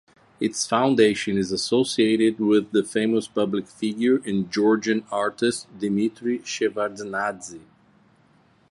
Its foundation is associated with the famous public figure and Georgian artist Dimitri Shevardnadze.